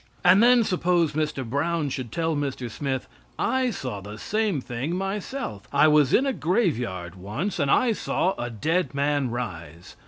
And then suppose Mr. Brown should tell Mr. Smith, "I saw the same thing myself. I was in a graveyard once, and I saw a dead man rise."